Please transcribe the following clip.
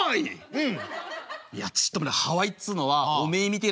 うん？